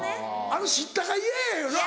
あの知ったか嫌やよな？